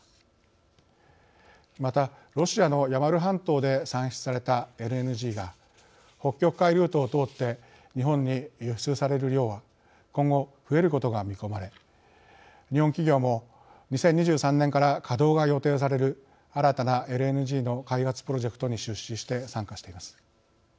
またロシアのヤマル半島で産出されたＬＮＧが北極海ルートを通って日本に輸出される量は今後増えることが見込まれ日本企業も２０２３年から稼働が予定される新たなＬＮＧの開発プロジェクトに出資して参加しています。